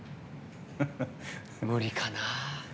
無理かな。